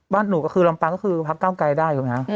บ้านหนูก็คือลำปางก็คือพักก้าวใกล้ได้อยู่นะครับ